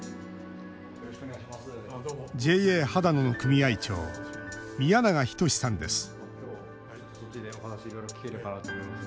ＪＡはだのの組合長宮永均さんです